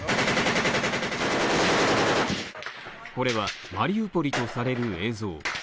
これはマリウポリとされる映像。